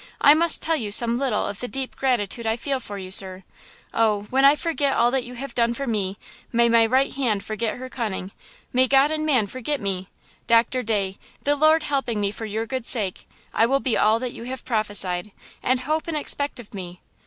"I must tell you some little of the deep gratitude I feel for you, sir. Oh, when I forget all that you have done for me, 'may my right hand forget her cunning!' may God and man forget me! Doctor Day, the Lord helping me for your good sake, I will be all that you have prophesied, and hope and expect of me!